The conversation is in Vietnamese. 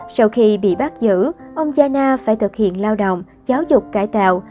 sau khi bị bắt giữ ông chana phải thực hiện lao động giáo dục cải tạo